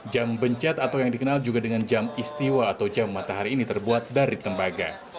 jam bencat atau yang dikenal juga dengan jam istiwa atau jam matahari ini terbuat dari tembaga